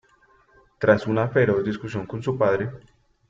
Tras una feroz discusión con su padre.